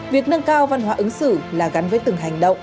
việc nâng cao văn hóa ứng xử là gắn với từng hành động